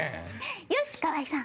よし河井さん